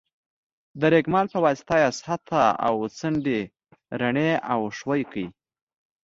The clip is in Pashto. د رېګمال په واسطه یې سطحه او څنډې رڼې او ښوي کړئ.